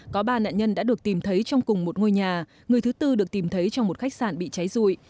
có ba nạn nhân đã được tìm thấy trong cùng một ngôi nhà người thứ tư được tìm thấy trong một khách sạn bị cháy rụi